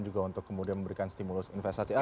juga untuk kemudian memberikan stimulus investasi